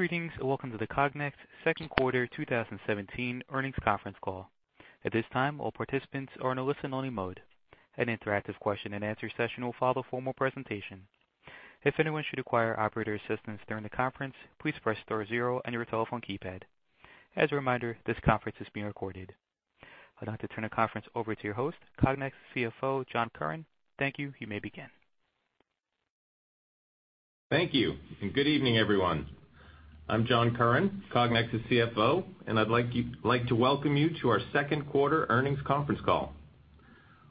Greetings, welcome to the Cognex second quarter 2017 earnings conference call. At this time, all participants are in a listen-only mode. An interactive question and answer session will follow the formal presentation. If anyone should require operator assistance during the conference, please press star zero on your telephone keypad. As a reminder, this conference is being recorded. I'd now like to turn the conference over to your host, Cognex CFO, John Curran. Thank you. You may begin. Thank you, good evening, everyone. I'm John Curran, Cognex's CFO, and I'd like to welcome you to our second quarter earnings conference call.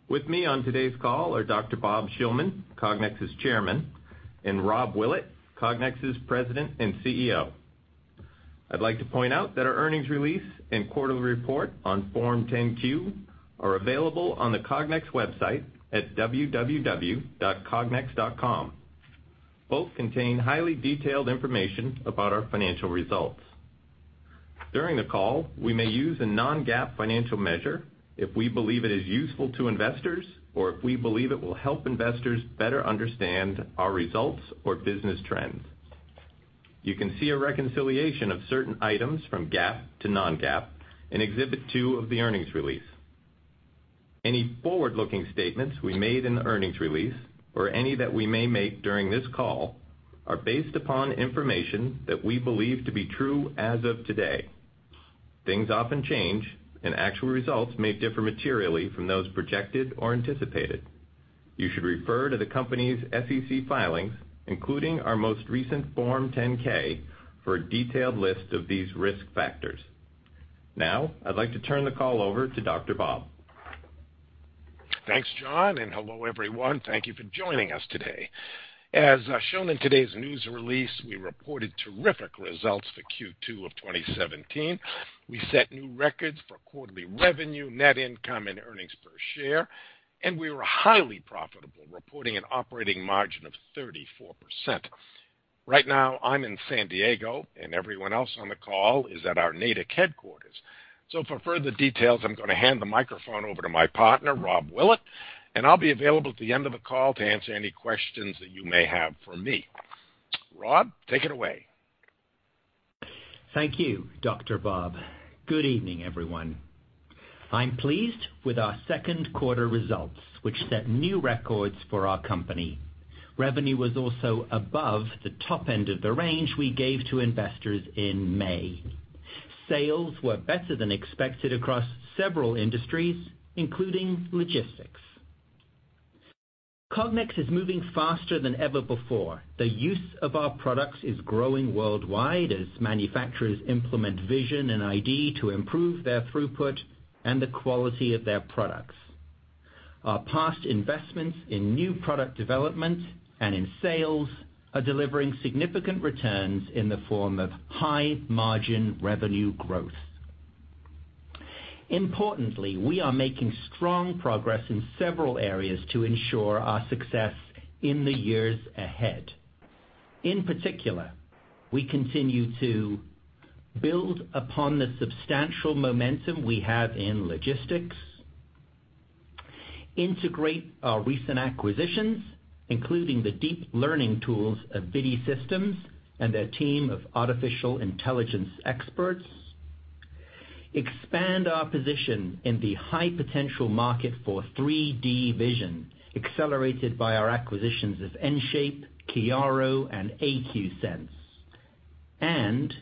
With me on today's call are Dr. Bob Shillman, Cognex's chairman, and Rob Willett, Cognex's president and CEO. I'd like to point out that our earnings release and quarterly report on Form 10-Q are available on the Cognex website at www.cognex.com. Both contain highly detailed information about our financial results. During the call, we may use a non-GAAP financial measure if we believe it is useful to investors or if we believe it will help investors better understand our results or business trends. You can see a reconciliation of certain items from GAAP to non-GAAP in Exhibit 2 of the earnings release. Any forward-looking statements we made in the earnings release or any that we may make during this call are based upon information that we believe to be true as of today. Things often change, and actual results may differ materially from those projected or anticipated. You should refer to the company's SEC filings, including our most recent Form 10-K, for a detailed list of these risk factors. Now, I'd like to turn the call over to Dr. Bob. Thanks, John, hello, everyone. Thank you for joining us today. As shown in today's news release, we reported terrific results for Q2 of 2017. We set new records for quarterly revenue, net income, and earnings per share, and we were highly profitable, reporting an operating margin of 34%. Right now, I'm in San Diego, and everyone else on the call is at our Natick headquarters. For further details, I'm going to hand the microphone over to my partner, Rob Willett, and I'll be available at the end of the call to answer any questions that you may have for me. Rob, take it away. Thank you, Dr. Bob. Good evening, everyone. I'm pleased with our second quarter results, which set new records for our company. Revenue was also above the top end of the range we gave to investors in May. Sales were better than expected across several industries, including logistics. Cognex is moving faster than ever before. The use of our products is growing worldwide as manufacturers implement vision and ID to improve their throughput and the quality of their products. Our past investments in new product development and in sales are delivering significant returns in the form of high-margin revenue growth. Importantly, we are making strong progress in several areas to ensure our success in the years ahead. In particular, we continue to build upon the substantial momentum we have in logistics, integrate our recent acquisitions, including the deep learning tools of ViDi Systems and their team of artificial intelligence experts, expand our position in the high-potential market for 3D vision, accelerated by our acquisitions of EnShape, Chiaro, and AQSense, and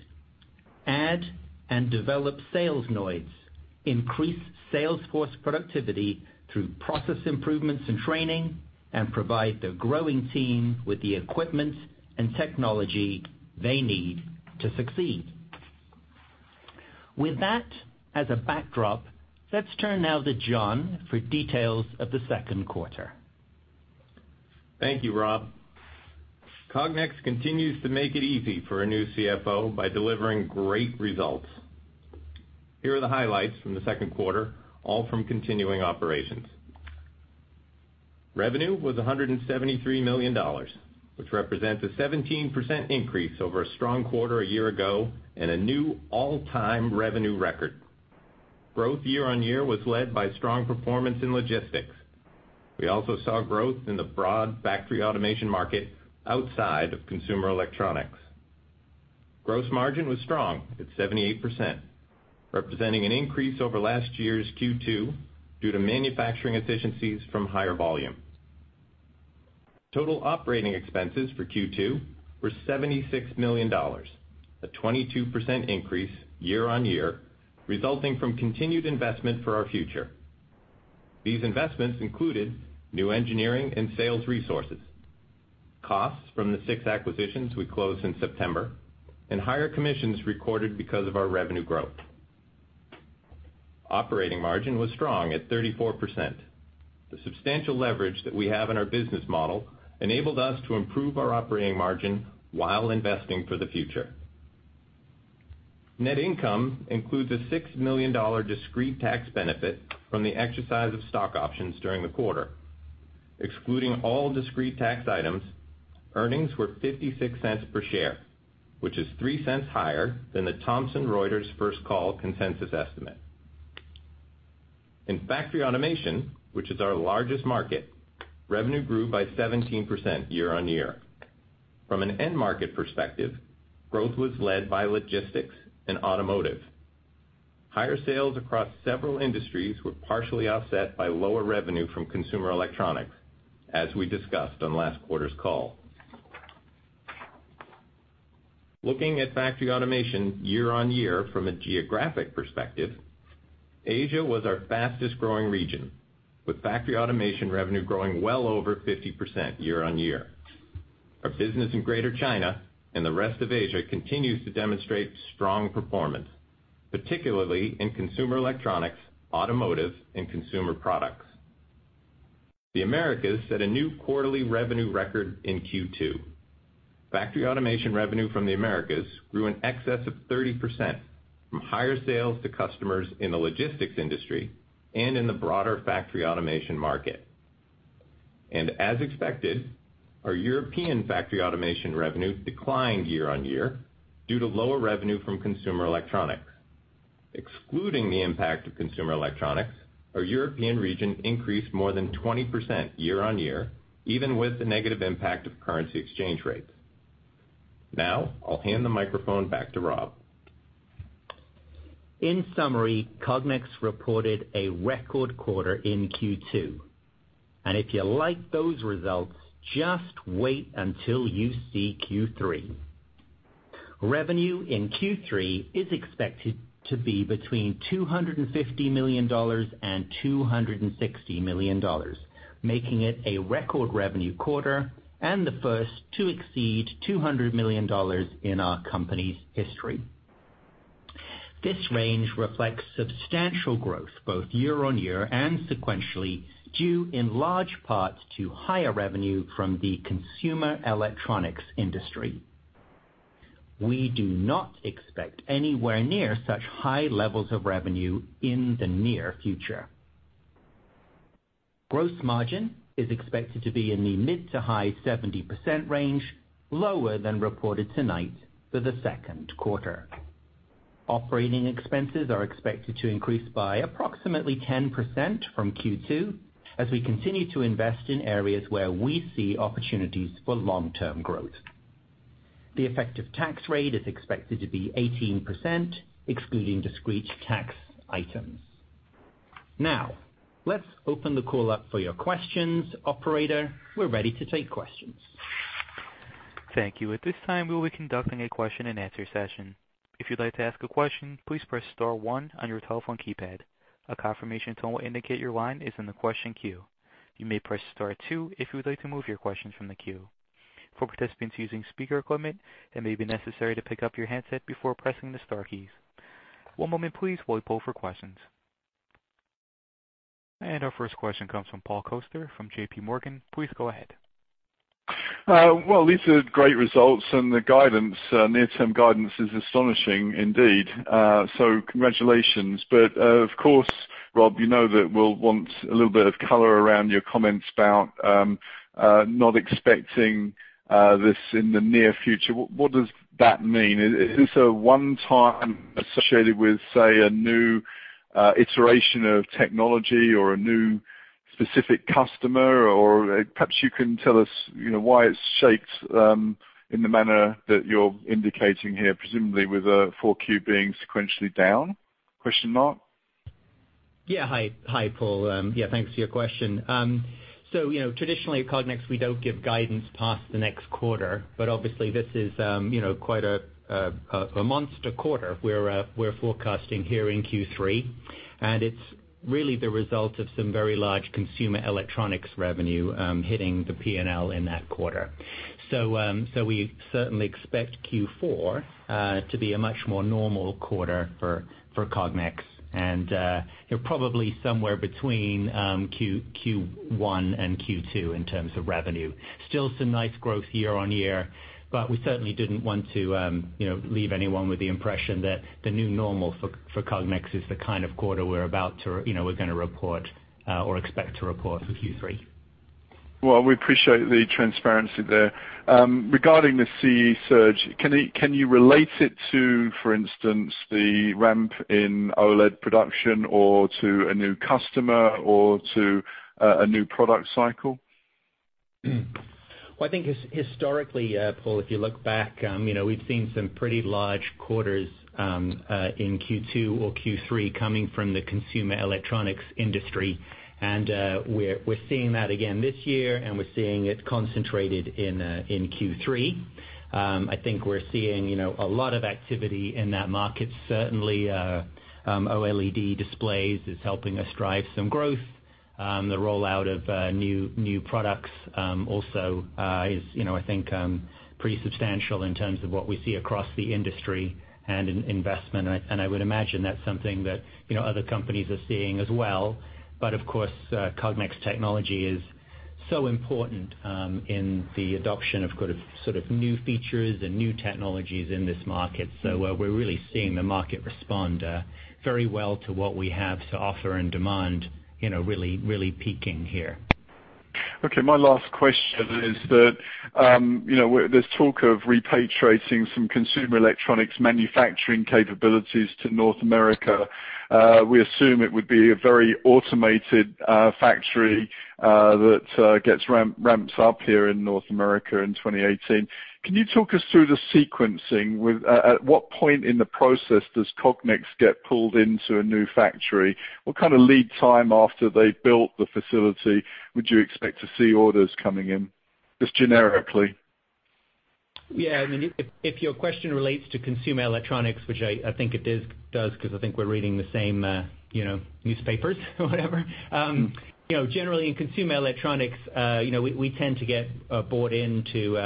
add and develop Salesnoids, increase sales force productivity through process improvements and training, and provide the growing team with the equipment and technology they need to succeed. With that as a backdrop, let's turn now to John for details of the second quarter. Thank you, Rob. Cognex continues to make it easy for a new CFO by delivering great results. Here are the highlights from the second quarter, all from continuing operations. Revenue was $173 million, which represents a 17% increase over a strong quarter a year ago and a new all-time revenue record. Growth year-over-year was led by strong performance in logistics. We also saw growth in the broad factory automation market outside of consumer electronics. Gross margin was strong at 78%, representing an increase over last year's Q2 due to manufacturing efficiencies from higher volume. Total operating expenses for Q2 were $76 million, a 22% increase year-over-year, resulting from continued investment for our future. These investments included new engineering and sales resources, costs from the six acquisitions we closed in September, and higher commissions recorded because of our revenue growth. Operating margin was strong at 34%. The substantial leverage that we have in our business model enabled us to improve our operating margin while investing for the future. Net income includes a $6 million discrete tax benefit from the exercise of stock options during the quarter. Excluding all discrete tax items, earnings were $0.56 per share, which is $0.03 higher than the Thomson Reuters First Call consensus estimate. In factory automation, which is our largest market, revenue grew by 17% year-over-year. From an end market perspective, growth was led by logistics and automotive. Higher sales across several industries were partially offset by lower revenue from consumer electronics, as we discussed on last quarter's call. Looking at factory automation year-over-year from a geographic perspective, Asia was our fastest growing region, with factory automation revenue growing well over 50% year-over-year. Our business in Greater China and the rest of Asia continues to demonstrate strong performance, particularly in consumer electronics, automotive, and consumer products. The Americas set a new quarterly revenue record in Q2. Factory automation revenue from the Americas grew in excess of 30% from higher sales to customers in the logistics industry and in the broader factory automation market. As expected, our European factory automation revenue declined year-on-year due to lower revenue from consumer electronics. Excluding the impact of consumer electronics, our European region increased more than 20% year-on-year, even with the negative impact of currency exchange rates. Now, I'll hand the microphone back to Rob. In summary, Cognex reported a record quarter in Q2. If you like those results, just wait until you see Q3. Revenue in Q3 is expected to be between $250 million and $260 million, making it a record revenue quarter and the first to exceed $200 million in our company's history. This range reflects substantial growth, both year-on-year and sequentially, due in large part to higher revenue from the consumer electronics industry. We do not expect anywhere near such high levels of revenue in the near future. Gross margin is expected to be in the mid to high 70% range, lower than reported tonight for the second quarter. Operating expenses are expected to increase by approximately 10% from Q2 as we continue to invest in areas where we see opportunities for long-term growth. The effective tax rate is expected to be 18%, excluding discrete tax items. Now, let's open the call up for your questions. Operator, we're ready to take questions. Thank you. At this time, we will be conducting a question and answer session. If you'd like to ask a question, please press star one on your telephone keypad. A confirmation tone will indicate your line is in the question queue. You may press star two if you would like to move your question from the queue. For participants using speaker equipment, it may be necessary to pick up your handset before pressing the star keys. One moment please while we poll for questions. Our first question comes from Paul Coster from JP Morgan. Please go ahead. Well, these are great results. The near-term guidance is astonishing indeed. Congratulations. Of course, Rob, you know that we'll want a little bit of color around your comments about not expecting this in the near future. What does that mean? Is this a one-time associated with, say, a new iteration of technology or a new specific customer? Or perhaps you can tell us why it's shaped in the manner that you're indicating here, presumably with 4Q being sequentially down? Question mark. Yeah. Hi, Paul. Thanks for your question. Traditionally at Cognex, we don't give guidance past the next quarter. Obviously this is quite a monster quarter we're forecasting here in Q3. It's really the result of some very large consumer electronics revenue hitting the P&L in that quarter. We certainly expect Q4 to be a much more normal quarter for Cognex. Probably somewhere between Q1 and Q2 in terms of revenue. Still some nice growth year-on-year. We certainly didn't want to leave anyone with the impression that the new normal for Cognex is the kind of quarter we're going to report or expect to report for Q3. Well, we appreciate the transparency there. Regarding the CE surge, can you relate it to, for instance, the ramp in OLED production or to a new customer or to a new product cycle? Well, I think historically, Paul, if you look back, we've seen some pretty large quarters in Q2 or Q3 coming from the consumer electronics industry. We're seeing that again this year. We're seeing it concentrated in Q3. I think we're seeing a lot of activity in that market. Certainly, OLED displays is helping us drive some growth. The rollout of new products also is, I think, pretty substantial in terms of what we see across the industry and in investment. I would imagine that's something that other companies are seeing as well. Of course, Cognex technology is so important in the adoption of sort of new features and new technologies in this market. We're really seeing the market respond very well to what we have to offer and demand really peaking here. Okay, my last question is that, there's talk of repatriating some consumer electronics manufacturing capabilities to North America. We assume it would be a very automated factory that gets ramped up here in North America in 2018. Can you talk us through the sequencing? At what point in the process does Cognex get pulled into a new factory? What kind of lead time after they've built the facility would you expect to see orders coming in? Just generically. Yeah. If your question relates to consumer electronics, which I think it does, because I think we're reading the same newspapers or whatever. Generally, in consumer electronics, we tend to get bought into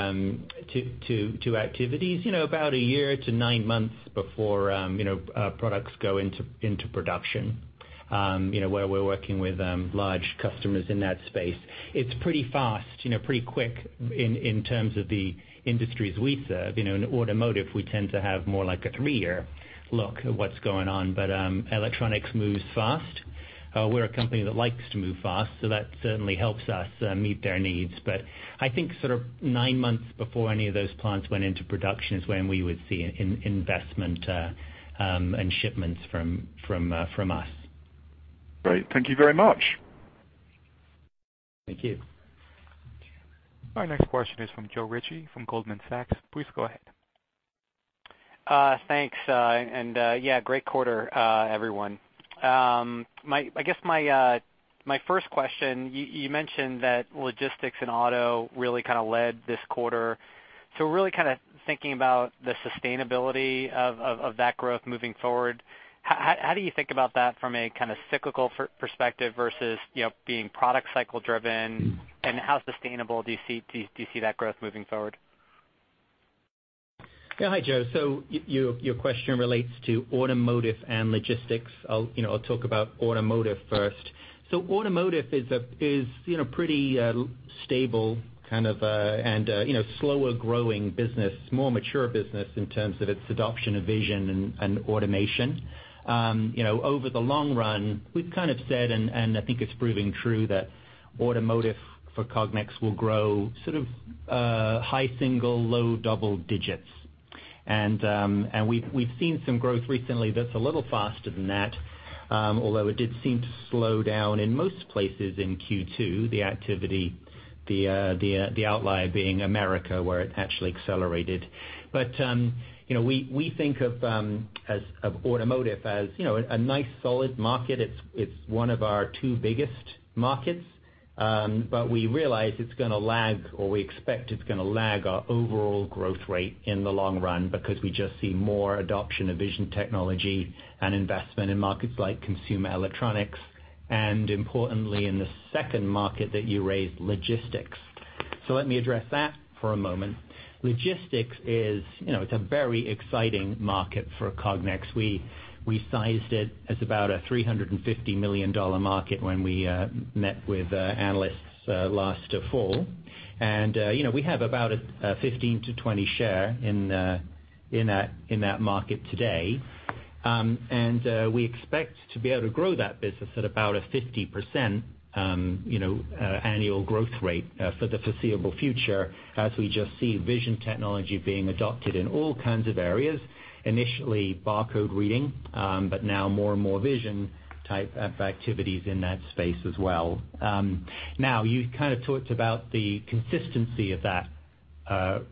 activities about a year to nine months before products go into production where we're working with large customers in that space. It's pretty fast, pretty quick in terms of the industries we serve. In automotive, we tend to have more like a three-year look at what's going on. Electronics moves fast. We're a company that likes to move fast, that certainly helps us meet their needs. I think sort of nine months before any of those plants went into production is when we would see investment and shipments from us. Great. Thank you very much. Thank you. Our next question is from Joe Ritchie from Goldman Sachs. Please go ahead. Thanks, great quarter, everyone. I guess my first question, you mentioned that logistics and auto really kind of led this quarter. Really kind of thinking about the sustainability of that growth moving forward, how do you think about that from a kind of cyclical perspective versus being product cycle driven? How sustainable do you see that growth moving forward? Hi, Joe. Your question relates to automotive and logistics. I'll talk about automotive first. Automotive is pretty stable kind of and slower growing business, more mature business in terms of its adoption of vision and automation. Over the long run, we've kind of said, I think it's proving true, that automotive for Cognex will grow sort of high single, low double digits. We've seen some growth recently that's a little faster than that, although it did seem to slow down in most places in Q2, the activity, the outlier being America, where it actually accelerated. We think of automotive as a nice solid market. It's one of our two biggest markets. We realize it's going to lag, or we expect it's going to lag our overall growth rate in the long run because we just see more adoption of vision technology and investment in markets like consumer electronics and importantly in the second market that you raised, logistics. Let me address that for a moment. Logistics is a very exciting market for Cognex. We sized it as about a $350 million market when we met with analysts last fall. We have about a 15-20 share in that market today. We expect to be able to grow that business at about a 50% annual growth rate for the foreseeable future as we just see vision technology being adopted in all kinds of areas, initially barcode reading, but now more and more vision type of activities in that space as well. You kind of talked about the consistency of that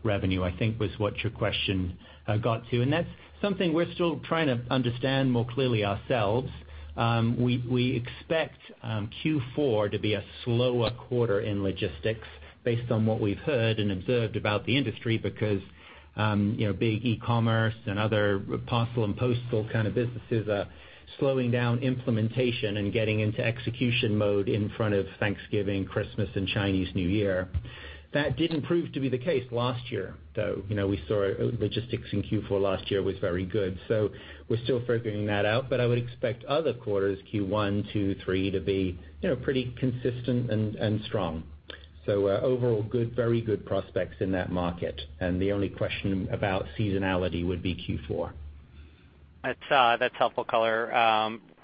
revenue, I think was what your question got to. That's something we're still trying to understand more clearly ourselves. We expect Q4 to be a slower quarter in logistics based on what we've heard and observed about the industry because big e-commerce and other parcel and postal kind of businesses are slowing down implementation and getting into execution mode in front of Thanksgiving, Christmas, and Chinese New Year. That didn't prove to be the case last year, though. We saw logistics in Q4 last year was very good. We're still figuring that out, but I would expect other quarters, Q1, Q2, Q3, to be pretty consistent and strong. Overall very good prospects in that market, and the only question about seasonality would be Q4. That's helpful color,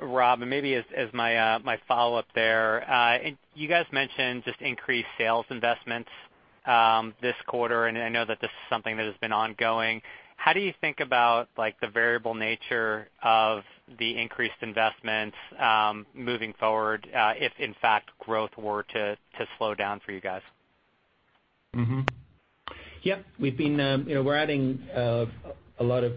Rob. Maybe as my follow-up there, you guys mentioned just increased sales investments this quarter. I know that this is something that has been ongoing. How do you think about the variable nature of the increased investments moving forward if in fact growth were to slow down for you guys? Yep. We're adding a lot of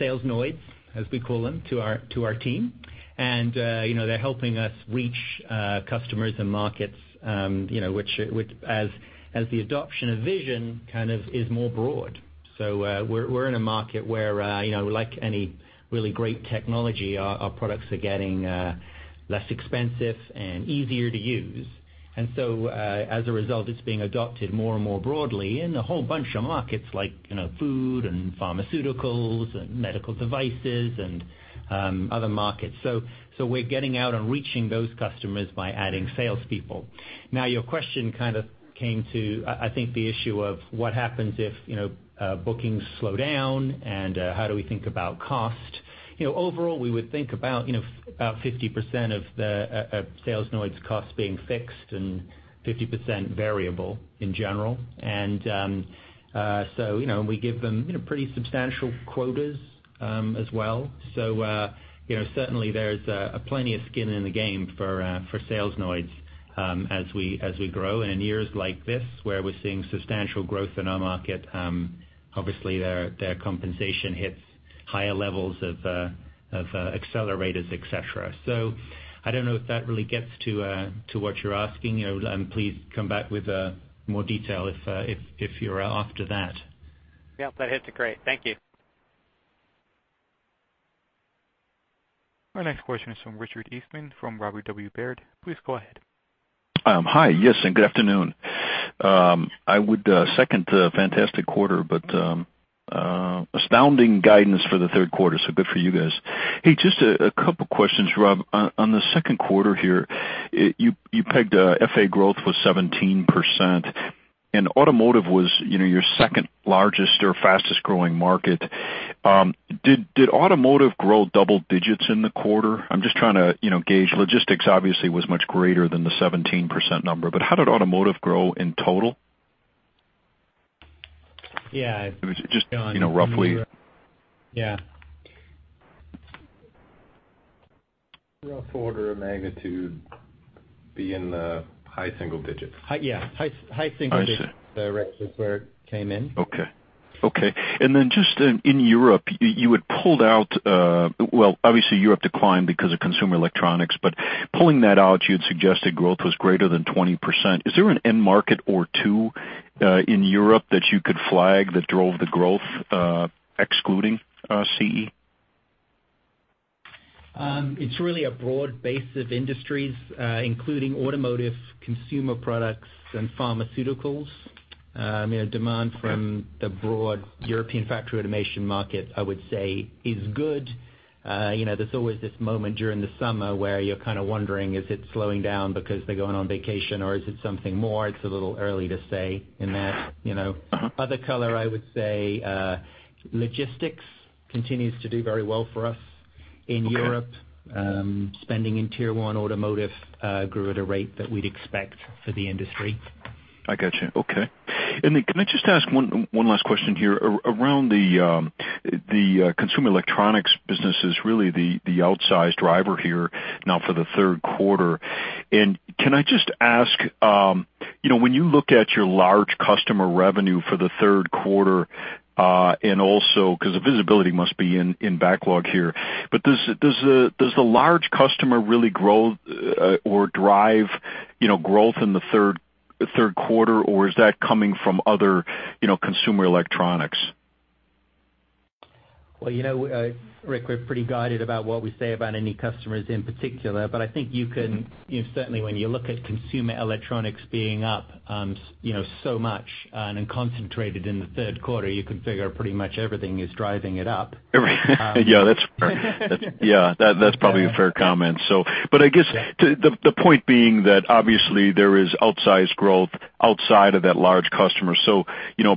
Salesnoids, as we call them, to our team. They're helping us reach customers and markets as the adoption of vision kind of is more broad. We're in a market where, like any really great technology, our products are getting less expensive and easier to use. As a result, it's being adopted more and more broadly in a whole bunch of markets like food and pharmaceuticals and medical devices and other markets. We're getting out and reaching those customers by adding salespeople. Your question kind of came to, I think, the issue of what happens if bookings slow down and how do we think about cost? Overall, we would think about 50% of the Salesnoids costs being fixed and 50% variable in general. We give them pretty substantial quotas as well. Certainly there's plenty of skin in the game for Salesnoids as we grow. In years like this, where we're seeing substantial growth in our market, obviously their compensation hits higher levels of accelerators, et cetera. I don't know if that really gets to what you're asking. Please come back with more detail if you're after that. Yeah. That hits it great. Thank you. Our next question is from Richard Eastman from Robert W. Baird. Please go ahead. Hi. Yes, and good afternoon. I would second fantastic quarter, but astounding guidance for the third quarter, so good for you guys. Hey, just a couple questions, Rob. On the second quarter here, you pegged FA growth was 17%, and automotive was your second largest or fastest-growing market. Did automotive grow double digits in the quarter? I am just trying to gauge. Logistics obviously was much greater than the 17% number, but how did automotive grow in total? Yeah. Just roughly. Yeah. Rough order of magnitude be in the high single digits. Yeah. High single digits. I see. Rick, is where it came in. Okay. Just in Europe, obviously Europe declined because of consumer electronics, but pulling that out, you had suggested growth was greater than 20%. Is there an end market or two in Europe that you could flag that drove the growth excluding CE? It's really a broad base of industries, including automotive, consumer products, and pharmaceuticals. Demand from the broad European factory automation market, I would say, is good. There's always this moment during the summer where you're kind of wondering, is it slowing down because they're going on vacation, or is it something more? It's a little early to say in that. Other color, I would say logistics continues to do very well for us in Europe. Okay. Spending in tier 1 automotive grew at a rate that we'd expect for the industry. I got you. Okay. Can I just ask one last question here? Around the consumer electronics business is really the outsized driver here now for the third quarter. Can I just ask, when you look at your large customer revenue for the third quarter and also, because the visibility must be in backlog here, but does the large customer really grow or drive growth in the third quarter, or is that coming from other consumer electronics? Well, Rick, we're pretty guided about what we say about any customers in particular, but I think you can certainly, when you look at consumer electronics being up so much and concentrated in the third quarter, you can figure pretty much everything is driving it up. Yeah. That's probably a fair comment. I guess, the point being that obviously there is outsized growth outside of that large customer, so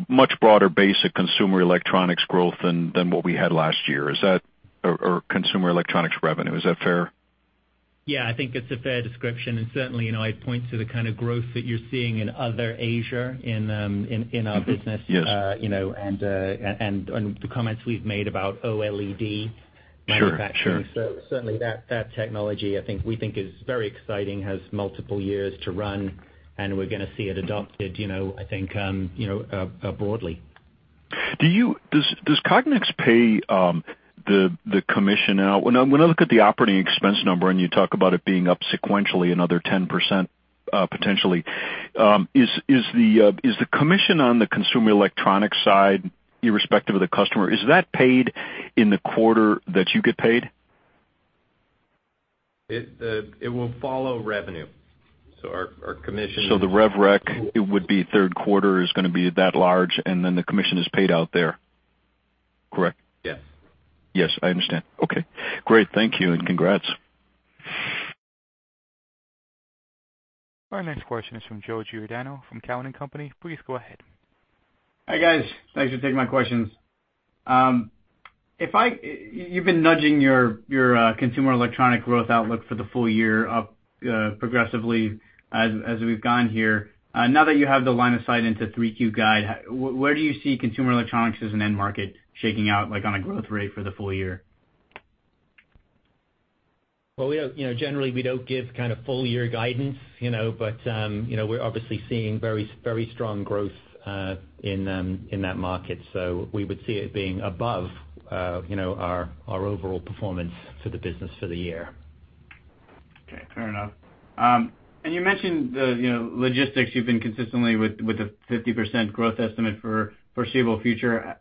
much broader base of consumer electronics growth than what we had last year. Consumer electronics revenue. Is that fair? Yeah, I think it's a fair description, and certainly, it points to the kind of growth that you're seeing in other Asia in our business. Yes. The comments we've made about OLED manufacturing. Sure. That technology, we think is very exciting, has multiple years to run, and we're going to see it adopted, I think, broadly. Does Cognex pay the commission when I look at the operating expense number, and you talk about it being up sequentially another 10%, potentially. Is the commission on the consumer electronics side, irrespective of the customer, is that paid in the quarter that you get paid? It will follow revenue. The rev rec, it would be third quarter is going to be that large, and then the commission is paid out there, correct? Yes. Yes, I understand. Okay, great. Thank you, and congrats. Our next question is from Joe Giordano from Cowen and Company. Please go ahead. Hi, guys. Thanks for taking my questions. You've been nudging your consumer electronic growth outlook for the full year up progressively as we've gone here. Now that you have the line of sight into 3Q guide, where do you see consumer electronics as an end market shaking out on a growth rate for the full year? Generally, we don't give kind of full year guidance, but we're obviously seeing very strong growth in that market. We would see it being above our overall performance for the business for the year. Okay. Fair enough. You mentioned the logistics you've been consistently with the 50% growth estimate for foreseeable future.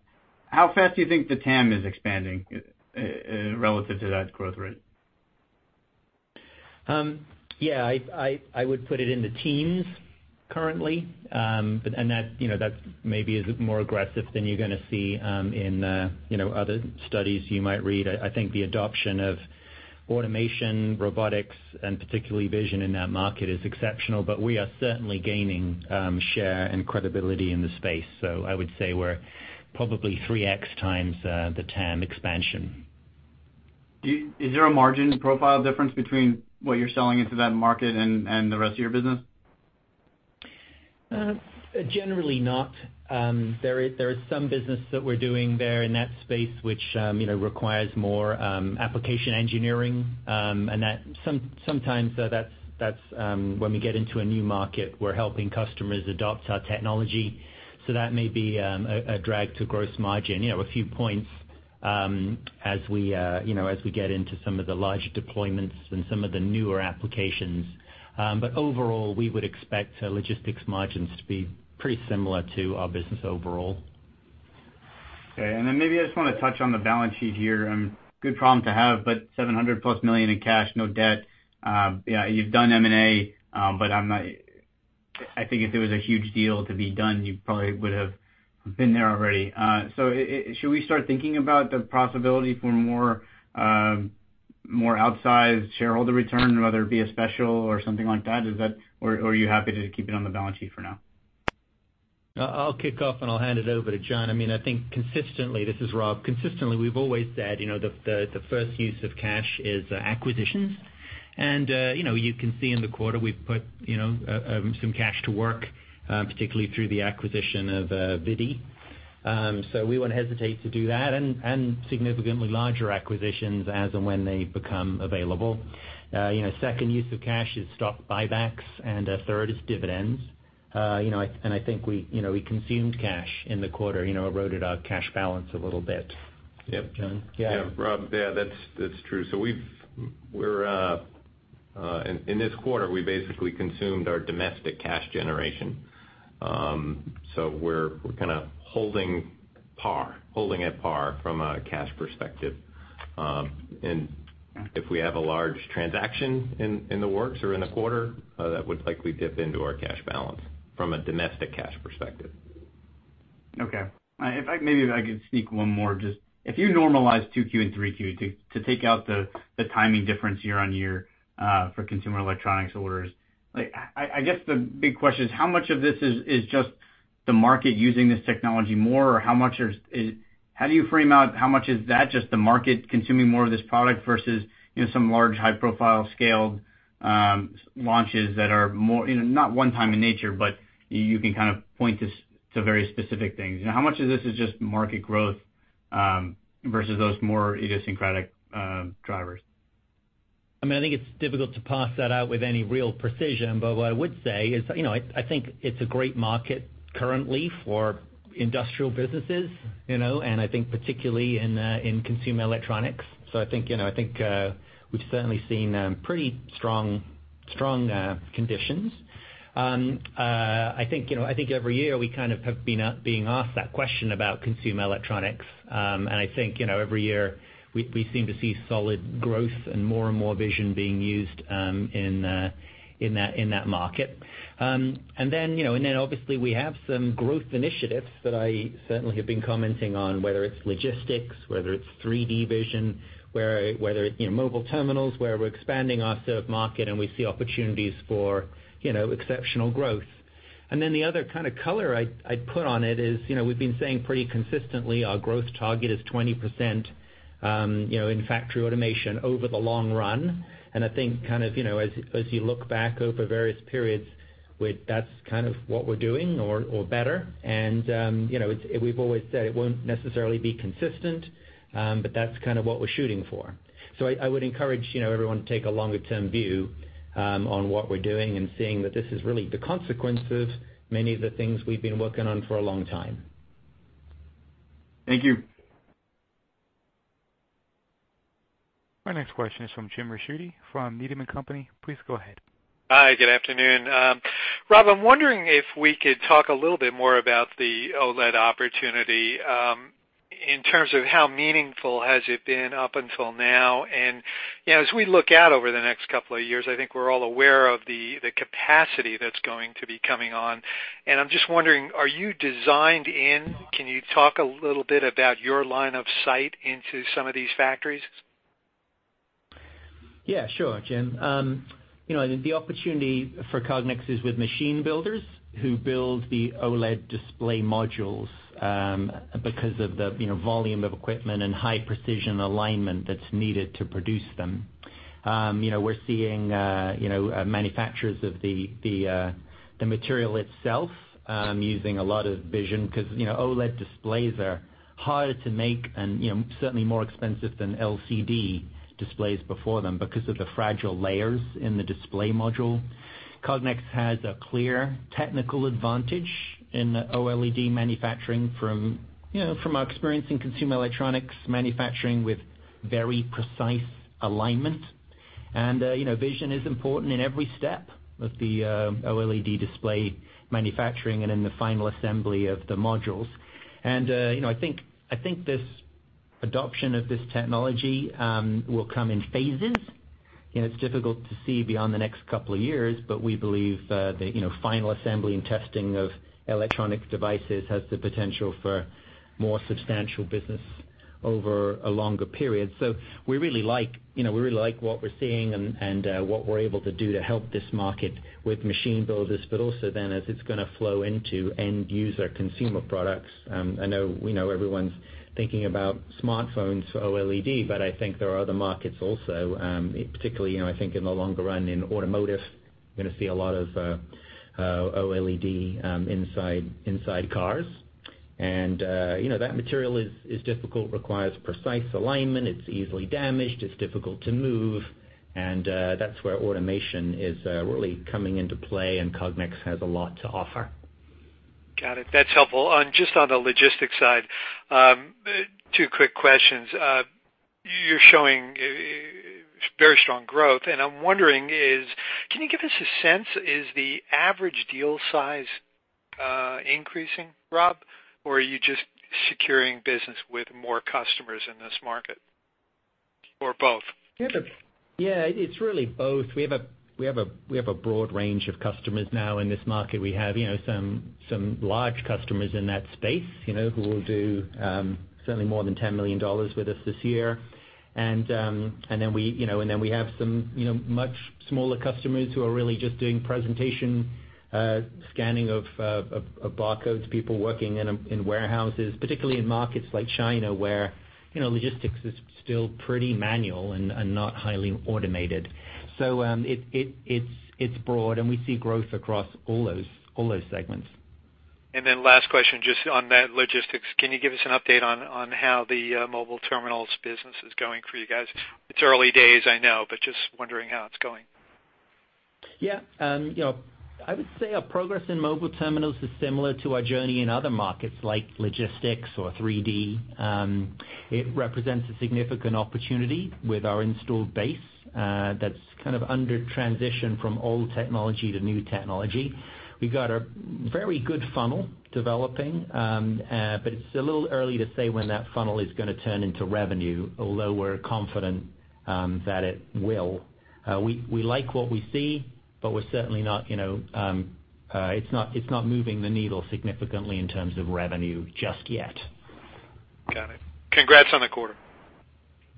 How fast do you think the TAM is expanding relative to that growth rate? Yeah, I would put it in the teens currently. That maybe is more aggressive than you're going to see in other studies you might read. I think the adoption of automation, robotics, and particularly vision in that market is exceptional. We are certainly gaining share and credibility in the space. I would say we're probably 3x the TAM expansion. Is there a margin profile difference between what you're selling into that market and the rest of your business? Generally not. There is some business that we're doing there in that space which requires more application engineering. Sometimes when we get into a new market, we're helping customers adopt our technology. That may be a drag to gross margin, a few points as we get into some of the larger deployments and some of the newer applications. Overall, we would expect logistics margins to be pretty similar to our business overall. Maybe I just want to touch on the balance sheet here. Good problem to have, $700-plus million in cash, no debt. You've done M&A, I think if there was a huge deal to be done, you probably would have been there already. Should we start thinking about the possibility for more outsized shareholder return, whether it be a special or something like that? Or are you happy to keep it on the balance sheet for now? I'll kick off, I'll hand it over to John. This is Rob. Consistently, we've always said, the first use of cash is acquisitions. You can see in the quarter we've put some cash to work, particularly through the acquisition of ViDi. We won't hesitate to do that, significantly larger acquisitions as and when they become available. Second use of cash is stock buybacks, third is dividends. I think we consumed cash in the quarter, eroded our cash balance a little bit. John? Yeah, Rob, that's true. In this quarter, we basically consumed our domestic cash generation. We're kind of holding at par from a cash perspective. If we have a large transaction in the works or in the quarter, that would likely dip into our cash balance from a domestic cash perspective. Maybe if I could sneak one more. If you normalize 2Q and 3Q to take out the timing difference year-over-year for consumer electronics orders, I guess the big question is how much of this is just the market using this technology more? How do you frame out how much is that just the market consuming more of this product versus some large, high-profile scaled launches that are not one time in nature, but you can kind of point to very specific things? How much of this is just market growth versus those more idiosyncratic drivers? I think it's difficult to parse that out with any real precision. What I would say is, I think it's a great market currently for industrial businesses, and I think particularly in consumer electronics. I think we've certainly seen pretty strong conditions. I think every year we kind of have been being asked that question about consumer electronics. I think every year we seem to see solid growth and more and more vision being used in that market. Obviously we have some growth initiatives that I certainly have been commenting on, whether it's logistics, whether it's 3D vision, whether mobile terminals, where we're expanding our serve market and we see opportunities for exceptional growth. The other kind of color I'd put on it is, we've been saying pretty consistently our growth target is 20% in factory automation over the long run. I think as you look back over various periods, that's kind of what we're doing or better. We've always said it won't necessarily be consistent, but that's kind of what we're shooting for. I would encourage everyone to take a longer-term view on what we're doing and seeing that this is really the consequence of many of the things we've been working on for a long time. Thank you. My next question is from Jim Ricchiuti from Needham & Company. Please go ahead. Hi, good afternoon. Rob, I'm wondering if we could talk a little bit more about the OLED opportunity in terms of how meaningful has it been up until now. As we look out over the next couple of years, I think we're all aware of the capacity that's going to be coming on, I'm just wondering, are you designed in? Can you talk a little bit about your line of sight into some of these factories? Yeah, sure, Jim. The opportunity for Cognex is with machine builders who build the OLED display modules because of the volume of equipment and high-precision alignment that's needed to produce them. We're seeing manufacturers of the material itself using a lot of vision because OLED displays are harder to make and certainly more expensive than LCD displays before them because of the fragile layers in the display module. Cognex has a clear technical advantage in OLED manufacturing from our experience in consumer electronics manufacturing with very precise alignment. Vision is important in every step of the OLED display manufacturing and in the final assembly of the modules. I think this adoption of this technology will come in phases. It's difficult to see beyond the next couple of years, we believe the final assembly and testing of electronic devices has the potential for more substantial business over a longer period. We really like what we're seeing and what we're able to do to help this market with machine builders, but also then as it's going to flow into end user consumer products. I know everyone's thinking about smartphones for OLED, I think there are other markets also, particularly I think in the longer run in automotive You're going to see a lot of OLED inside cars. That material is difficult, requires precise alignment, it's easily damaged, it's difficult to move, and that's where automation is really coming into play, and Cognex has a lot to offer. Got it. That's helpful. Just on the logistics side, two quick questions. You're showing very strong growth, I'm wondering is, can you give us a sense, is the average deal size increasing, Rob? Are you just securing business with more customers in this market, or both? Yeah, it's really both. We have a broad range of customers now in this market. We have some large customers in that space, who will do certainly more than $10 million with us this year. We have some much smaller customers who are really just doing presentation, scanning of barcodes, people working in warehouses, particularly in markets like China, where logistics is still pretty manual and not highly automated. It's broad, and we see growth across all those segments. Last question, just on that logistics. Can you give us an update on how the mobile terminals business is going for you guys? It's early days, I know, but just wondering how it's going. Yeah. I would say our progress in mobile terminals is similar to our journey in other markets like logistics or 3D. It represents a significant opportunity with our installed base that's kind of under transition from old technology to new technology. We got a very good funnel developing, it's a little early to say when that funnel is going to turn into revenue, although we're confident that it will. We like what we see, it's not moving the needle significantly in terms of revenue just yet. Got it. Congrats on the quarter.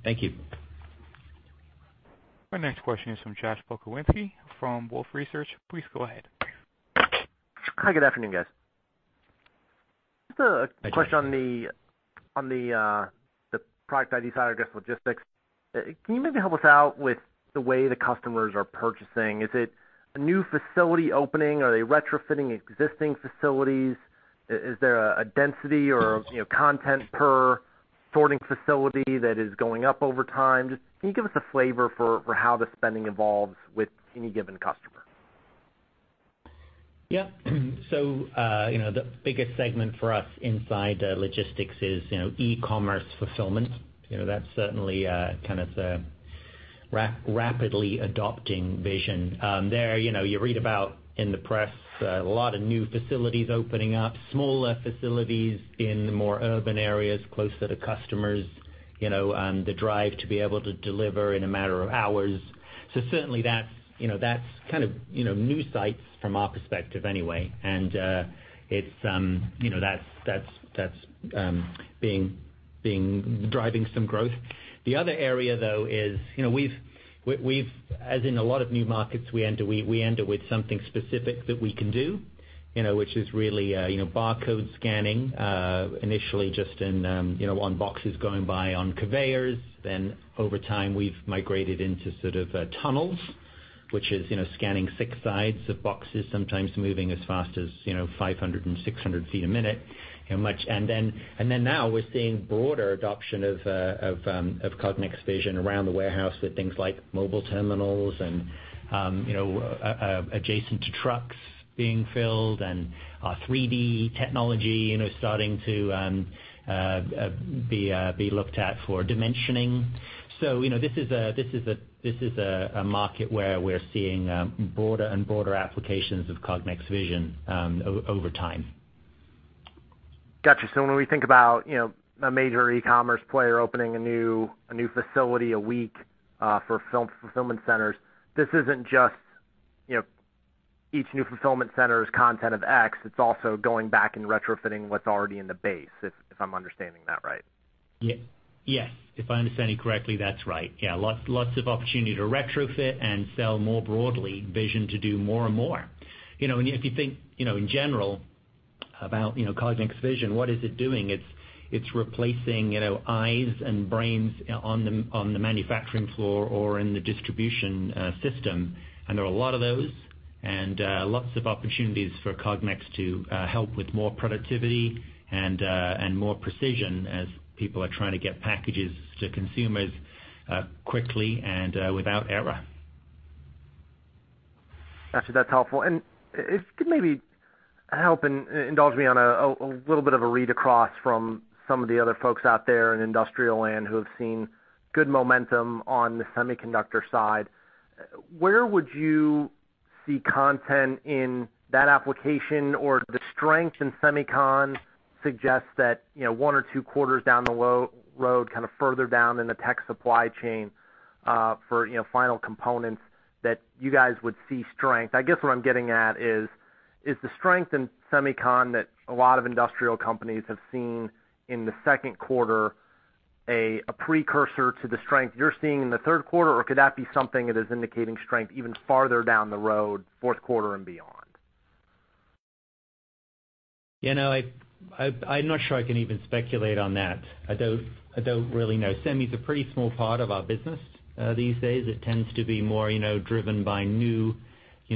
Thank you. Our next question is from Josh Pokrzywinski from Wolfe Research. Please go ahead. Hi, good afternoon, guys. Hi, Josh. Just a question on the product ID side, I guess logistics. Can you maybe help us out with the way the customers are purchasing? Is it a new facility opening? Are they retrofitting existing facilities? Is there a density or content per sorting facility that is going up over time? Just can you give us a flavor for how the spending evolves with any given customer? Yeah. The biggest segment for us inside logistics is e-commerce fulfillment. That's certainly kind of the rapidly adopting vision. There, you read about in the press, a lot of new facilities opening up, smaller facilities in more urban areas closer to customers, the drive to be able to deliver in a matter of hours. Certainly that's kind of new sites from our perspective anyway, and that's driving some growth. The other area, though, is, as in a lot of new markets we enter, we enter with something specific that we can do, which is really barcode scanning, initially just on boxes going by on conveyors. Over time, we've migrated into tunnels, which is scanning six sides of boxes, sometimes moving as fast as 500 and 600 feet a minute. Now we're seeing broader adoption of Cognex vision around the warehouse with things like mobile terminals and adjacent to trucks being filled and our 3D technology starting to be looked at for dimensioning. This is a market where we're seeing broader and broader applications of Cognex vision over time. Got you. When we think about a major e-commerce player opening a new facility a week for fulfillment centers, this isn't just each new fulfillment center is content of X, it's also going back and retrofitting what's already in the base, if I'm understanding that right. Yes. If I understand you correctly, that's right. Lots of opportunity to retrofit and sell more broadly vision to do more and more. If you think in general about Cognex vision, what is it doing? It's replacing eyes and brains on the manufacturing floor or in the distribution system. There are a lot of those and lots of opportunities for Cognex to help with more productivity and more precision as people are trying to get packages to consumers quickly and without error. Got you. That's helpful. If maybe I help and indulge me on a little bit of a read across from some of the other folks out there in industrial land who have seen good momentum on the semiconductor side, where would you see content in that application or the strength in semicon suggest that one or two quarters down the road, kind of further down in the tech supply chain, for final components that you guys would see strength? I guess where I'm getting at is, the strength in semicon that a lot of industrial companies have seen in the second quarter a precursor to the strength you're seeing in the third quarter, or could that be something that is indicating strength even farther down the road, fourth quarter and beyond? I'm not sure I can even speculate on that. I don't really know. Semi's a pretty small part of our business these days. It tends to be more driven by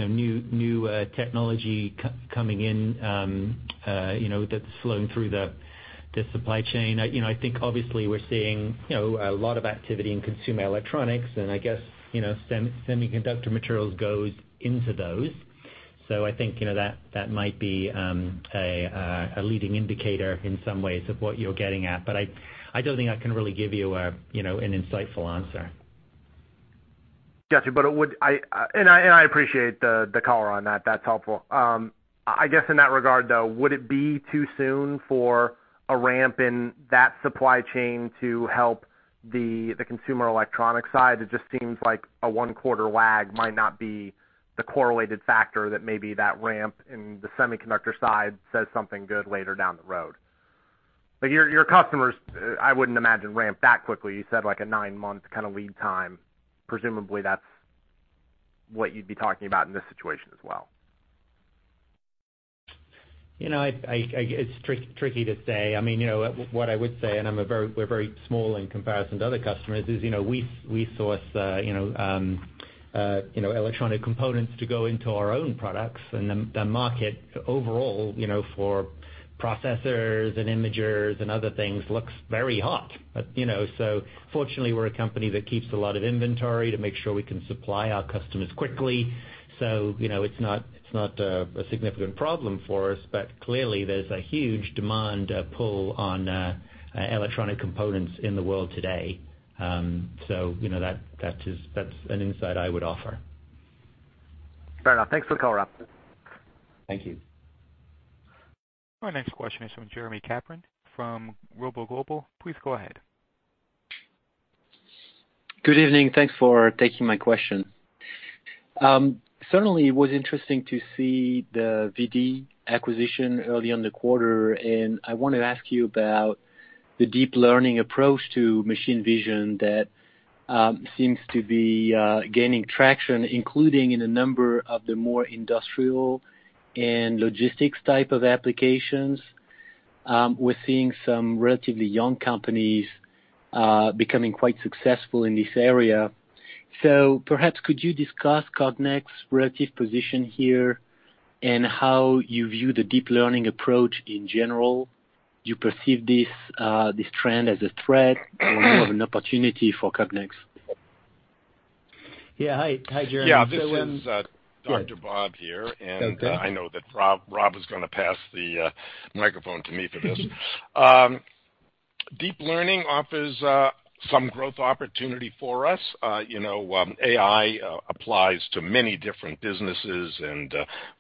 new technology coming in that's flowing through the supply chain. I think obviously we're seeing a lot of activity in consumer electronics, I guess, semiconductor materials goes into those. I think that might be a leading indicator in some ways of what you're getting at. I don't think I can really give you an insightful answer. Got you. I appreciate the color on that. That's helpful. I guess in that regard, though, would it be too soon for a ramp in that supply chain to help the consumer electronic side? It just seems like a one-quarter lag might not be the correlated factor that maybe that ramp in the semiconductor side says something good later down the road. Your customers, I wouldn't imagine, ramp that quickly. You said like a nine-month kind of lead time. Presumably, that's what you'd be talking about in this situation as well. It's tricky to say. What I would say, we're very small in comparison to other customers, is we source electronic components to go into our own products, the market overall for processors and imagers and other things looks very hot. Fortunately, we're a company that keeps a lot of inventory to make sure we can supply our customers quickly. It's not a significant problem for us. Clearly, there's a huge demand pull on electronic components in the world today. That's an insight I would offer. Fair enough. Thanks for the color, Rob. Thank you. Our next question is from Jeremie Capron from ROBO Global. Please go ahead. Good evening. Thanks for taking my question. Certainly, it was interesting to see the ViDi acquisition early in the quarter, and I want to ask you about the deep learning approach to machine vision that seems to be gaining traction, including in a number of the more industrial and logistics type of applications. We're seeing some relatively young companies becoming quite successful in this area. Perhaps could you discuss Cognex's relative position here, and how you view the deep learning approach in general? Do you perceive this trend as a threat or more of an opportunity for Cognex? Yeah. Hi, Jeremie. Yeah, this is Dr. Bob here. Okay. I know that Rob is going to pass the microphone to me for this. Deep learning offers some growth opportunity for us. AI applies to many different businesses,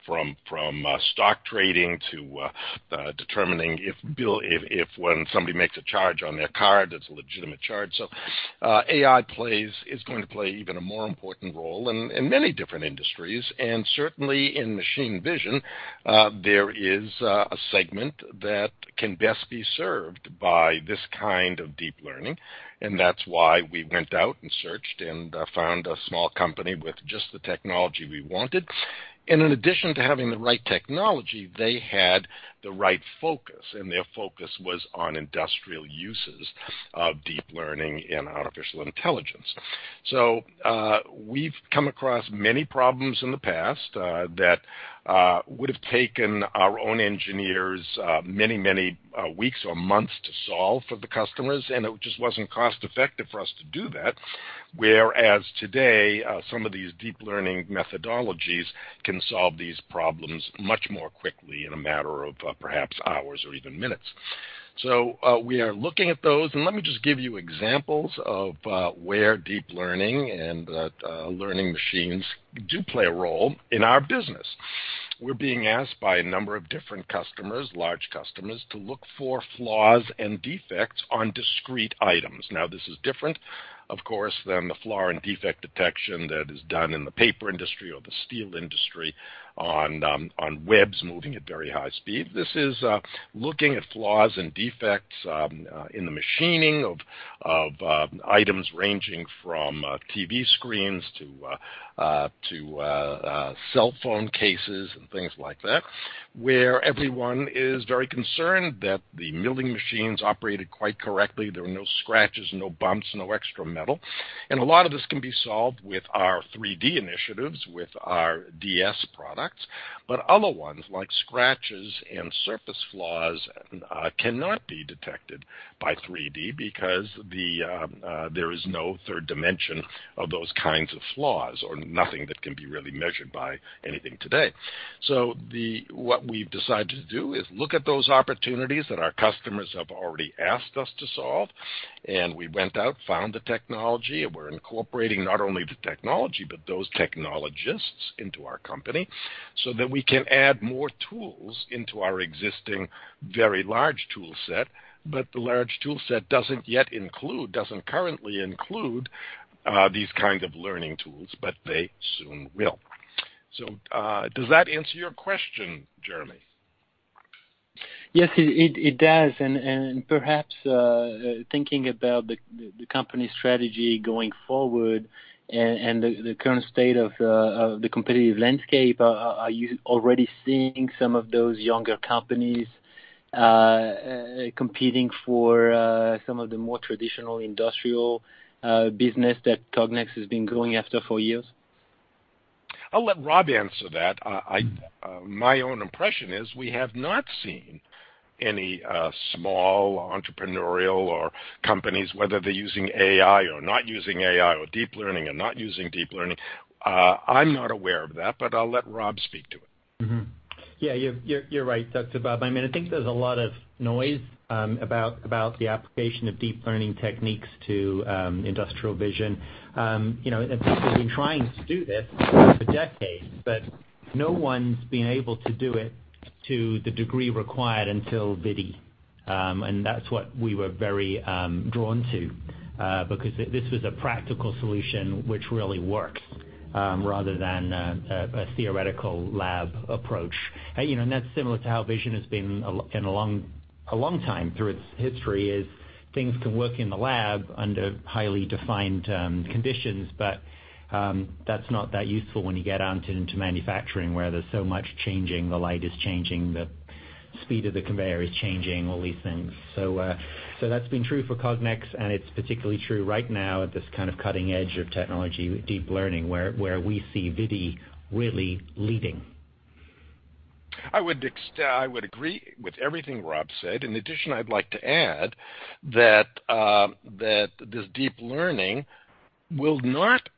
from stock trading to determining if when somebody makes a charge on their card, it's a legitimate charge. AI is going to play even a more important role in many different industries, and certainly in machine vision, there is a segment that can best be served by this kind of deep learning, and that's why we went out and searched and found a small company with just the technology we wanted. In addition to having the right technology, they had the right focus, and their focus was on industrial uses of deep learning and artificial intelligence. We've come across many problems in the past that would've taken our own engineers many, many weeks or months to solve for the customers, and it just wasn't cost-effective for us to do that. Whereas today, some of these deep learning methodologies can solve these problems much more quickly in a matter of perhaps hours or even minutes. We are looking at those, and let me just give you examples of where deep learning and learning machines do play a role in our business. We're being asked by a number of different customers, large customers, to look for flaws and defects on discrete items. Now, this is different, of course, than the flaw and defect detection that is done in the paper industry or the steel industry on webs moving at very high speed. This is looking at flaws and defects in the machining of items ranging from TV screens to cellphone cases and things like that, where everyone is very concerned that the milling machines operated quite correctly. There were no scratches, no bumps, no extra metal. A lot of this can be solved with our 3D initiatives, with our DS products. Other ones, like scratches and surface flaws, cannot be detected by 3D because there is no third dimension of those kinds of flaws, or nothing that can be really measured by anything today. What we've decided to do is look at those opportunities that our customers have already asked us to solve, and we went out, found the technology, and we're incorporating not only the technology, but those technologists into our company so that we can add more tools into our existing, very large tool set. The large tool set doesn't currently include these kind of learning tools, but they soon will. Does that answer your question, Jeremie? Yes, it does. Perhaps thinking about the company strategy going forward and the current state of the competitive landscape, are you already seeing some of those younger companies competing for some of the more traditional industrial business that Cognex has been going after for years? I'll let Rob answer that. My own impression is we have not seen any small entrepreneurial or companies, whether they're using AI or not using AI or deep learning and not using deep learning. I'm not aware of that, but I'll let Rob speak to it. Yeah, you're right, Dr. Bob. I think there's a lot of noise about the application of deep learning techniques to industrial vision. People have been trying to do this for decades, but no one's been able to do it to the degree required until ViDi. That's what we were very drawn to, because this was a practical solution which really works, rather than a theoretical lab approach. That's similar to how vision has been in a long time through its history, is things can work in the lab under highly defined conditions, but that's not that useful when you get out into manufacturing, where there's so much changing, the light is changing, the speed of the conveyor is changing, all these things. That's been true for Cognex, and it's particularly true right now at this kind of cutting edge of technology with deep learning, where we see ViDi really leading. I would agree with everything Rob said. In addition, I'd like to add that this deep learning does not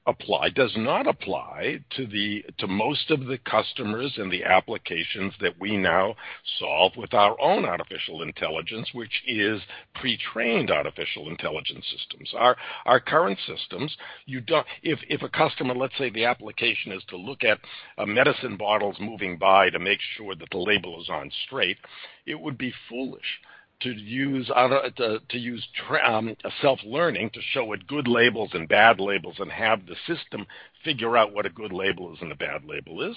apply to most of the customers and the applications that we now solve with our own artificial intelligence, which is pre-trained artificial intelligence systems. Our current systems, if a customer, let's say the application is to look at medicine bottles moving by to make sure that the label is on straight, it would be foolish to use self-learning to show what good labels and bad labels and have the system figure out what a good label is and a bad label is.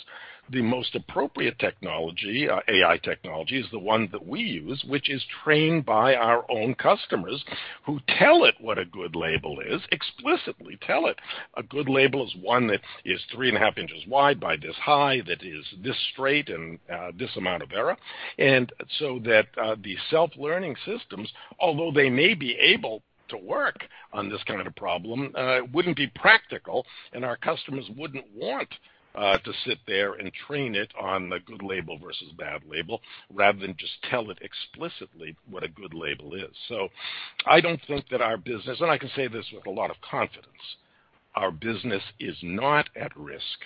The most appropriate AI technology is the one that we use, which is trained by our own customers who tell it what a good label is, explicitly tell it. A good label is one that is three and a half inches wide by this high, that is this straight and this amount of error. That the self-learning systems, although they may be able to work on this kind of a problem, wouldn't be practical, and our customers wouldn't want to sit there and train it on the good label versus bad label rather than just tell it explicitly what a good label is. I don't think that our business, and I can say this with a lot of confidence, our business is not at risk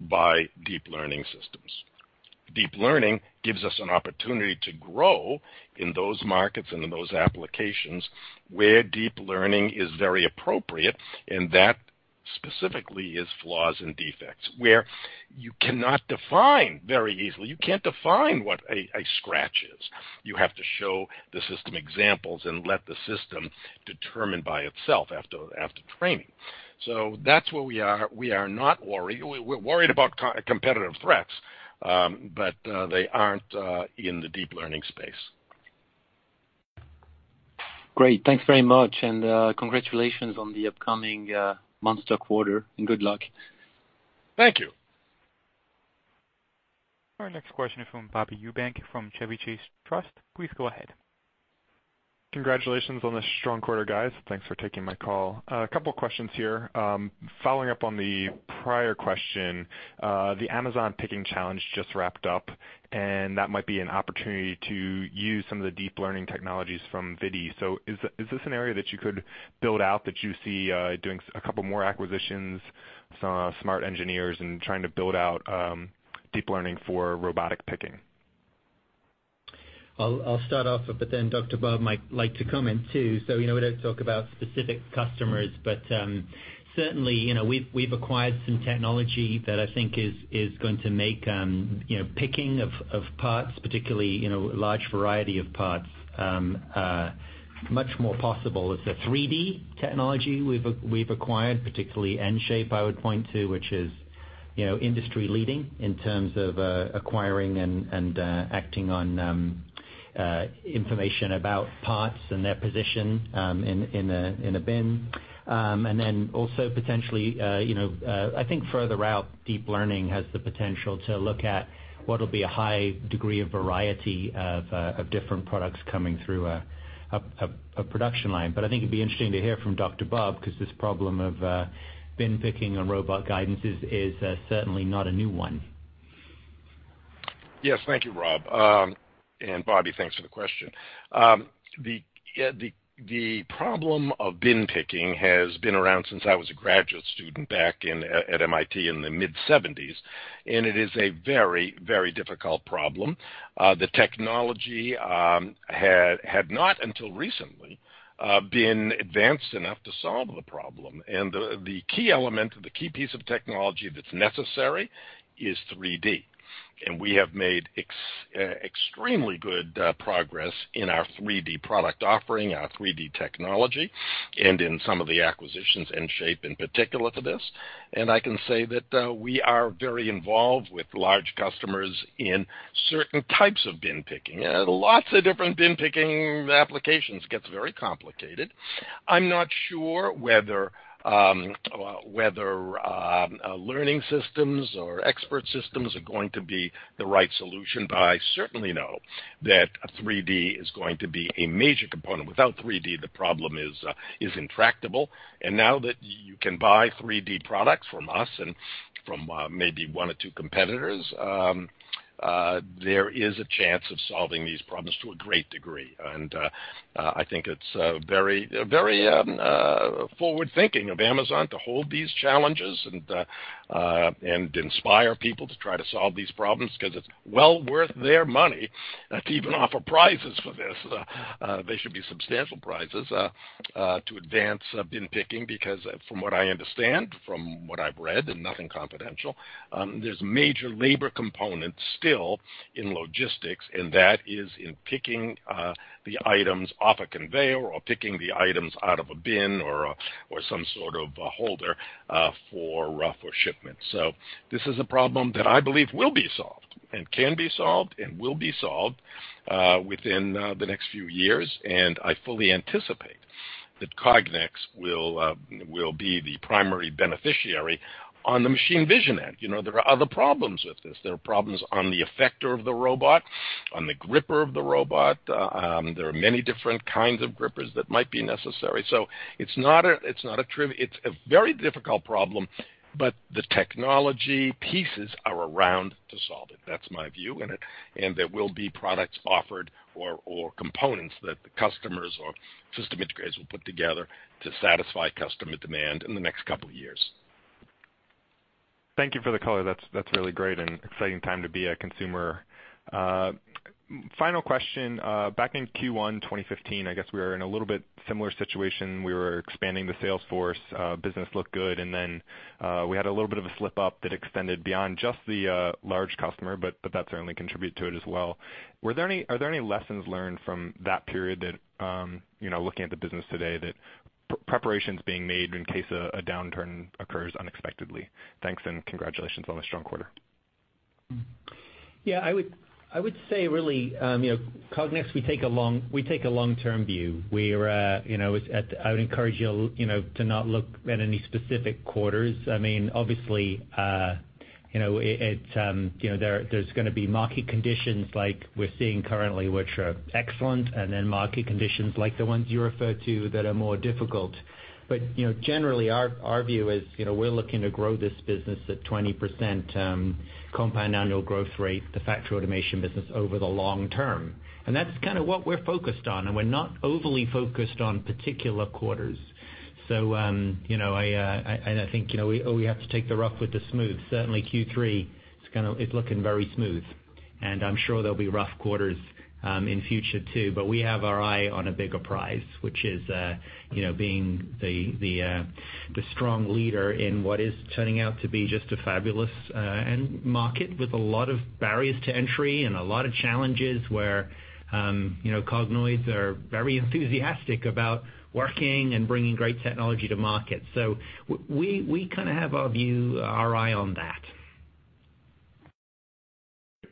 by deep learning systems. deep learning gives us an opportunity to grow in those markets and in those applications where deep learning is very appropriate, and that specifically is flaws and defects, where you cannot define very easily. You can't define what a scratch is. You have to show the system examples and let the system determine by itself after training. That's where we are not worried. We're worried about competitive threats, but they aren't in the deep learning space. Great. Thanks very much, and congratulations on the upcoming monster quarter, and good luck. Thank you. Our next question is from Bobby Eubank from Chevy Chase Trust. Please go ahead. Congratulations on the strong quarter, guys. Thanks for taking my call. A couple questions here. Following up on the prior question, the Amazon Picking Challenge just wrapped up, that might be an opportunity to use some of the deep learning technologies from ViDi. Is this an area that you could build out, that you see doing a couple more acquisitions, some smart engineers, and trying to build out deep learning for robotic picking? I'll start off, but then Dr. Bob might like to comment, too. We don't talk about specific customers, but certainly, we've acquired some technology that I think is going to make picking of parts, particularly, large variety of parts, much more possible. It's a 3D technology we've acquired, particularly EnShape, I would point to, which is industry leading in terms of acquiring and acting on information about parts and their position in a bin. Then also potentially, I think further out, deep learning has the potential to look at what'll be a high degree of variety of different products coming through a production line. I think it'd be interesting to hear from Dr. Bob, because this problem of bin picking and robot guidance is certainly not a new one. Yes. Thank you, Rob. Bobby, thanks for the question. The problem of bin picking has been around since I was a graduate student back at MIT in the mid-'70s, and it is a very, very difficult problem. The technology had not, until recently, been advanced enough to solve the problem. The key element or the key piece of technology that's necessary is 3D. We have made extremely good progress in our 3D product offering, our 3D technology, and in some of the acquisitions, EnShape, in particular, for this. I can say that we are very involved with large customers in certain types of bin picking. Lots of different bin picking applications, gets very complicated. I'm not sure whether learning systems or expert systems are going to be the right solution, but I certainly know that 3D is going to be a major component. Without 3D, the problem is intractable. Now that you can buy 3D products from us and from maybe one or two competitors, there is a chance of solving these problems to a great degree. I think it's very forward-thinking of Amazon to hold these challenges and inspire people to try to solve these problems, because it's well worth their money to even offer prizes for this. They should be substantial prizes to advance bin picking, because from what I understand, from what I've read, nothing confidential, there's a major labor component still in logistics, and that is in picking the items off a conveyor or picking the items out of a bin or some sort of a holder for shipment. This is a problem that I believe will be solved and can be solved and will be solved within the next few years. I fully anticipate that Cognex will be the primary beneficiary on the machine vision end. There are other problems with this. There are problems on the effector of the robot, on the gripper of the robot. There are many different kinds of grippers that might be necessary. It's a very difficult problem, but the technology pieces are around to solve it. That's my view, there will be products offered or components that the customers or system integrators will put together to satisfy customer demand in the next couple of years. Thank you for the color. That's really great and exciting time to be a consumer. Final question. Back in Q1 2015, I guess we were in a little bit similar situation. We were expanding the sales force, business looked good. Then we had a little bit of a slip up that extended beyond just the large customer, but that certainly contribute to it as well. Are there any lessons learned from that period that, looking at the business today, that preparations being made in case a downturn occurs unexpectedly? Thanks. Congratulations on a strong quarter. I would say really, Cognex, we take a long-term view. I would encourage you to not look at any specific quarters. Obviously, there's going to be market conditions like we're seeing currently, which are excellent. Then market conditions like the ones you referred to that are more difficult. Generally, our view is we're looking to grow this business at 20% compound annual growth rate, the factory automation business, over the long term. That's kind of what we're focused on, we're not overly focused on particular quarters. I think we have to take the rough with the smooth. Certainly Q3, it's looking very smooth, I'm sure there'll be rough quarters in future too. We have our eye on a bigger prize, which is being the strong leader in what is turning out to be just a fabulous end market with a lot of barriers to entry and a lot of challenges where Cognoids are very enthusiastic about working and bringing great technology to market. We kind of have our eye on that.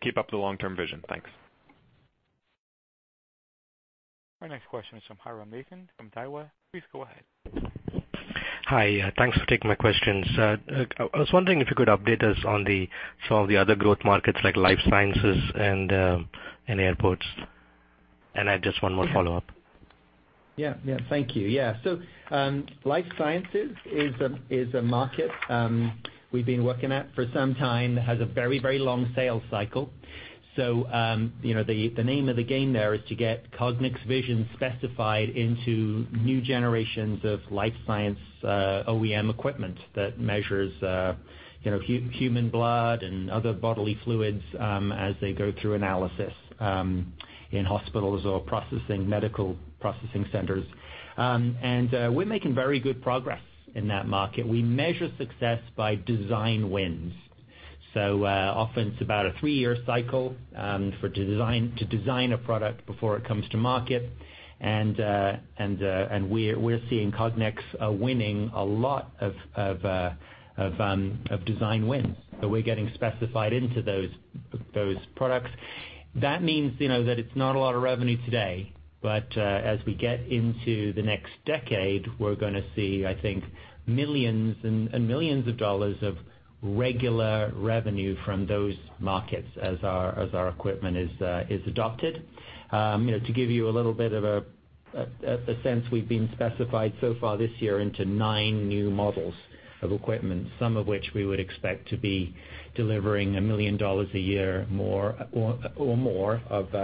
Keep up the long-term vision. Thanks. Our next question is from Jairam Nathan from TIAA. Please go ahead. Hi. Thanks for taking my questions. I was wondering if you could update us on some of the other growth markets like life sciences and airports. I have just one more follow-up. Life sciences is a market we've been working at for some time, that has a very, very long sales cycle. The name of the game there is to get Cognex vision specified into new generations of life science OEM equipment that measures human blood and other bodily fluids as they go through analysis in hospitals or medical processing centers. We're making very good progress in that market. We measure success by design wins. Often it's about a three-year cycle to design a product before it comes to market, and we're seeing Cognex winning a lot of design wins. We're getting specified into those products. That means that it's not a lot of revenue today, but as we get into the next decade, we're going to see, I think, millions and millions of dollars of regular revenue from those markets as our equipment is adopted. To give you a little bit of a sense we've been specified so far this year into nine new models of equipment, some of which we would expect to be delivering $1 million a year or more of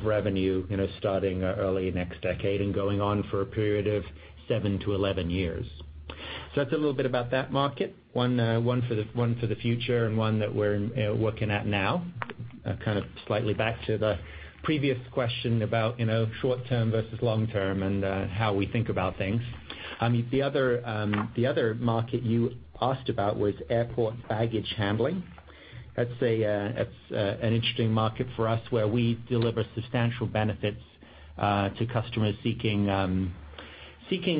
revenue starting early next decade and going on for a period of 7 to 11 years. That's a little bit about that market, one for the future and one that we're working at now, kind of slightly back to the previous question about short-term versus long-term and how we think about things. The other market you asked about was airport baggage handling. That's an interesting market for us, where we deliver substantial benefits to customers seeking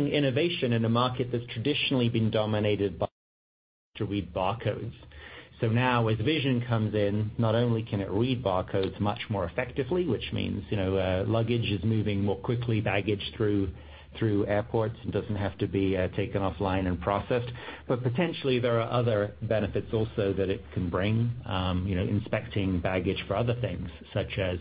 innovation in a market that's traditionally been dominated by, to read barcodes. Now as vision comes in, not only can it read barcodes much more effectively, which means luggage is moving more quickly, baggage through airports, it doesn't have to be taken offline and processed. Potentially there are other benefits also that it can bring. Inspecting baggage for other things, such as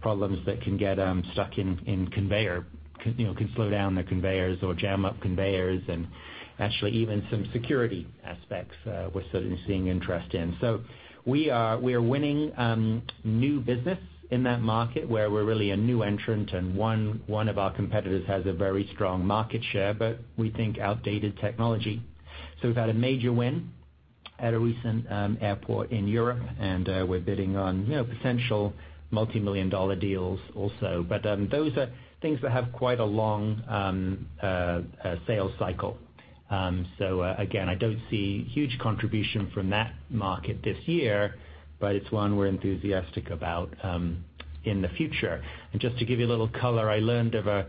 problems that can get stuck in conveyor, can slow down the conveyors or jam up conveyors and actually even some security aspects we're certainly seeing interest in. We are winning new business in that market where we're really a new entrant and one of our competitors has a very strong market share, but we think outdated technology. We've had a major win at a recent airport in Europe, and we're bidding on potential multimillion-dollar deals also. Those are things that have quite a long sales cycle. Again, I don't see huge contribution from that market this year, but it's one we're enthusiastic about in the future. Just to give you a little color, I learned of a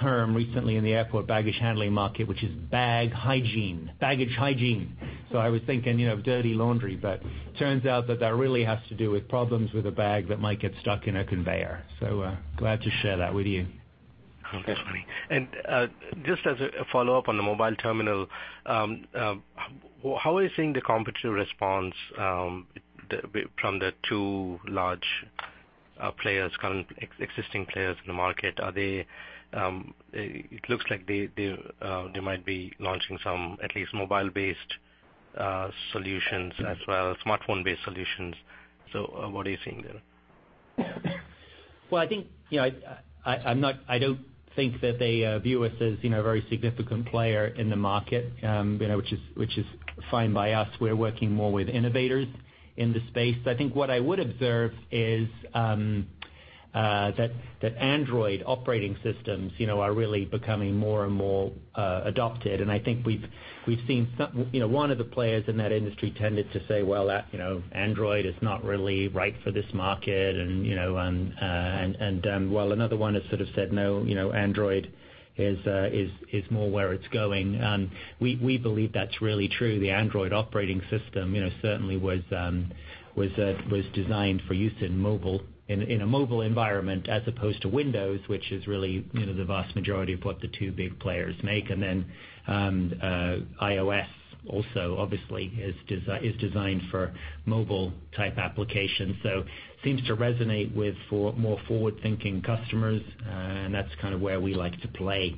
term recently in the airport baggage handling market, which is bag hygiene, baggage hygiene. I was thinking of dirty laundry, but turns out that that really has to do with problems with a bag that might get stuck in a conveyor. Glad to share that with you. That's funny. Just as a follow-up on the mobile terminal, how are you seeing the competitor response from the two large existing players in the market? It looks like they might be launching some at least mobile-based solutions as well, smartphone-based solutions. What are you seeing there? Well, I don't think that they view us as a very significant player in the market, which is fine by us. We're working more with innovators in the space. I think what I would observe is that Android operating systems are really becoming more and more adopted. I think we've seen one of the players in that industry tended to say, well, Android is not really right for this market, and while another one has sort of said, no, Android is more where it's going. We believe that's really true. The Android operating system certainly was designed for use in a mobile environment as opposed to Windows, which is really the vast majority of what the two big players make. Then iOS also obviously is designed for mobile-type applications, seems to resonate with more forward-thinking customers, and that's kind of where we like to play.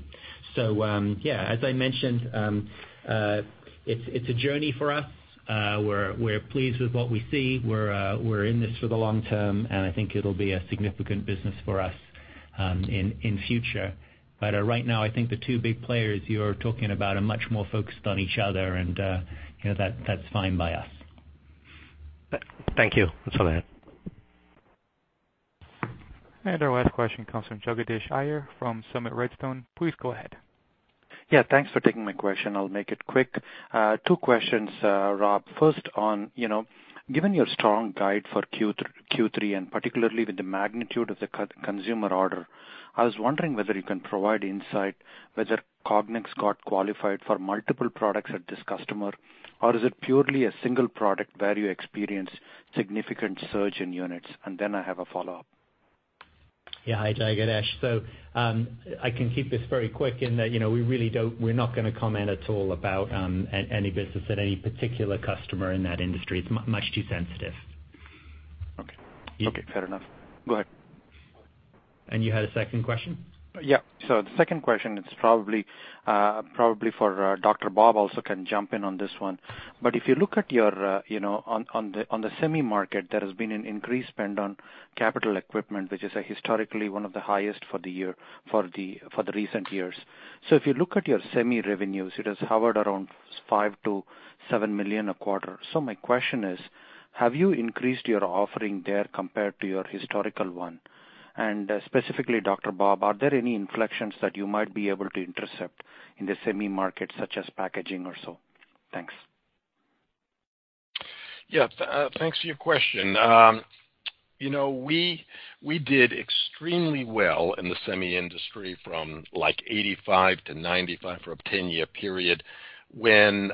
Yeah, as I mentioned, it's a journey for us. We're pleased with what we see. We're in this for the long term, I think it'll be a significant business for us in future. Right now, I think the two big players you're talking about are much more focused on each other, that's fine by us. Thank you. That's all I had. Our last question comes from Jagadish Iyer from Summit Redstone. Please go ahead. Yeah. Thanks for taking my question. I'll make it quick. Two questions, Rob. First on, given your strong guide for Q3, particularly with the magnitude of the consumer order, I was wondering whether you can provide insight whether Cognex got qualified for multiple products at this customer, or is it purely a single product where you experience significant surge in units? Then I have a follow-up. Yeah. Hi, Jagadish. I can keep this very quick in that we're not going to comment at all about any business at any particular customer in that industry. It's much too sensitive. Okay. Fair enough. Go ahead. You had a second question? Yeah. The second question, it's probably for Dr. Bob, also can jump in on this one. If you look on the semi market, there has been an increased spend on capital equipment, which is historically one of the highest for the recent years. If you look at your semi revenues, it has hovered around $5 million-$7 million a quarter. My question is, have you increased your offering there compared to your historical one? Specifically, Dr. Bob, are there any inflections that you might be able to intercept in the semi market, such as packaging or so? Thanks. Yeah. Thanks for your question. We did extremely well in the semi industry from like 1985 to 1995 for a 10-year period when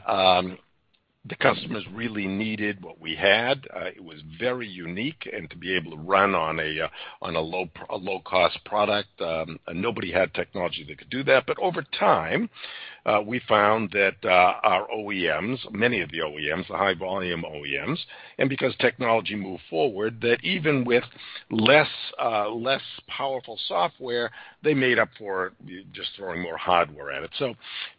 the customers really needed what we had. It was very unique. To be able to run on a low-cost product, nobody had technology that could do that. Over time, we found that our OEMs, many of the OEMs, the high-volume OEMs, and because technology moved forward, that even with less powerful software, they made up for it just throwing more hardware at it.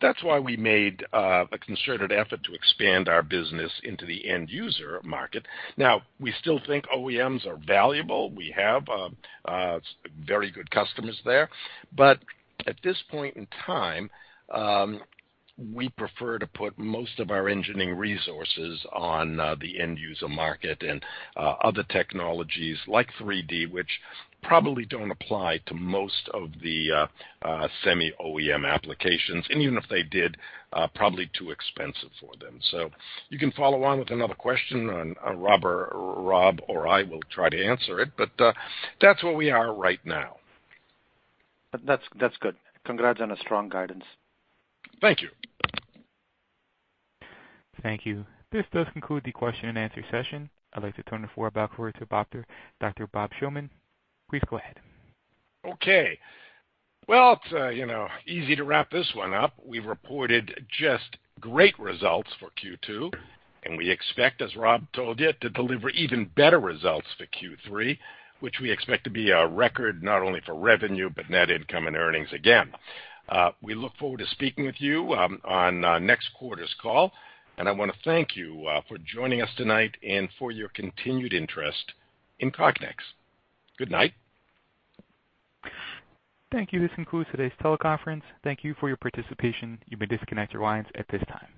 That's why we made a concerted effort to expand our business into the end user market. Now, we still think OEMs are valuable. We have very good customers there. At this point in time, we prefer to put most of our engineering resources on the end user market and other technologies like 3D, which probably don't apply to most of the semi OEM applications. Even if they did, probably too expensive for them. You can follow on with another question on Rob or I will try to answer it. That's where we are right now. That's good. Congrats on a strong guidance. Thank you. Thank you. This does conclude the question and answer session. I'd like to turn the floor back over to Dr. Bob Shillman. Please go ahead. Okay. Well, it's easy to wrap this one up. We've reported just great results for Q2, we expect, as Rob told you, to deliver even better results for Q3, which we expect to be a record not only for revenue but net income and earnings again. We look forward to speaking with you on next quarter's call, I want to thank you for joining us tonight and for your continued interest in Cognex. Good night. Thank you. This concludes today's teleconference. Thank you for your participation. You may disconnect your lines at this time.